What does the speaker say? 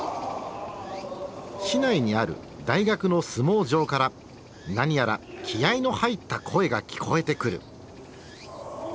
市内にある大学の相撲場から何やら気合いの入った声が聞こえてくる。